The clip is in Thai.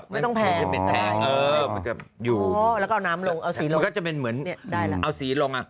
ไม่ต้องแพงใช่ไหมอ๋อมันก็อยู่มันก็จะเป็นเหมือนเอาสีลง